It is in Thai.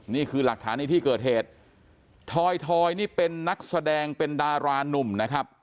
นี่คือหลักฐานในที่เกิดเหตุทอยทอยนี่เป็นนักแสดงเป็นดารานุ่มนะครับ